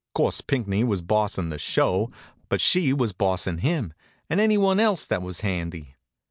'Course Pinckney was bossin' the show, but she was bossin' him, and anyone else that was handy.